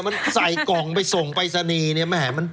มันใส่กล่องไปส่งไปสนีเนี่ยแม่